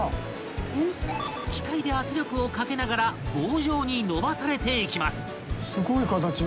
［機械で圧力をかけながら棒状に伸ばされていきます］